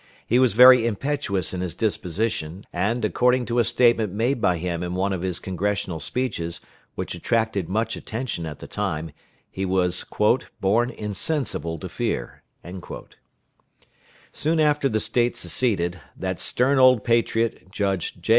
He was very impetuous in his disposition, and, according to a statement made by him in one of his Congressional speeches, which attracted much attention at the time, he was "born insensible to fear." Soon after the State seceded, that stern old patriot, Judge J.